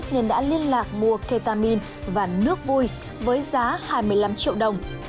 nên đã liên lạc mua ketamin và nước vui với giá hai mươi năm triệu đồng